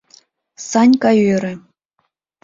— Санька ӧрӧ.